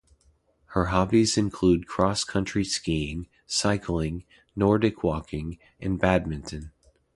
Her hobbies include cross country skiing, cycling, Nordic walking and badminton.